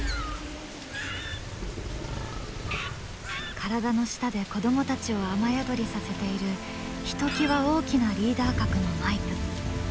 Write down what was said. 体の下で子どもたちを雨宿りさせているひときわ大きなリーダー格のマイプ。